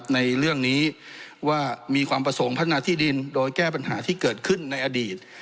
ในเรื่องนี้ว่ามีความประสงค์พัฒนาที่ดินโดยแก้ปัญหาที่เกิดขึ้นในอดีต